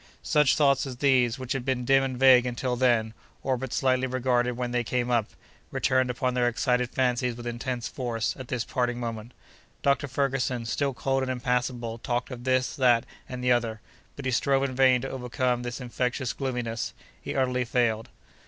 Such thoughts as these, which had been dim and vague until then, or but slightly regarded when they came up, returned upon their excited fancies with intense force at this parting moment. Dr. Ferguson, still cold and impassible, talked of this, that, and the other; but he strove in vain to overcome this infectious gloominess. He utterly failed.